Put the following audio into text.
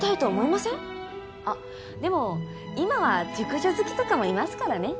あっでも今は熟女好きとかもいますからね。